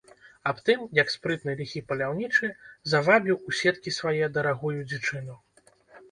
Аб тым, як спрытны ліхі паляўнічы завабіў у сеткі свае дарагую дзічыну.